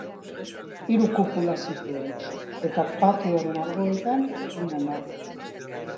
Hiru kupula zituen eta, patioaren alboetan, hiruna nabe.